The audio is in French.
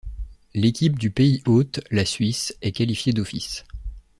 L'équipe du pays-hôte, la Suisse, est qualifiée d'office.